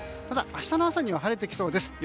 ただ明日の朝には晴れてきそうです。